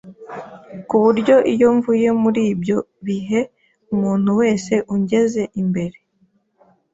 ku buryo iyo mvuye muri ibyo bihe umuntu wese ungeze imbere